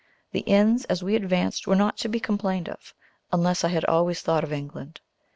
The inns as we advanced were not to be complained of, unless I had always thought of England.